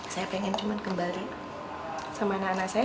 saya pengen cuma kembali sama anak anak saya